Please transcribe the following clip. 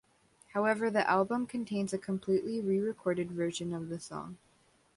However, the album contains a completely re-recorded version of the song.